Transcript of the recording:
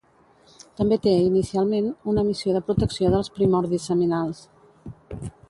També té, inicialment, una missió de protecció dels primordis seminals.